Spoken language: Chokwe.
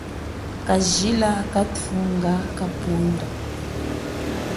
Kajila kanthunga kapundo.